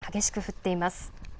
激しく降っています。